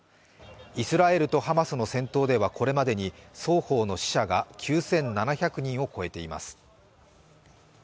イスラエルとハマスの戦闘ではこれまでに双方の死者が９７００人を超えています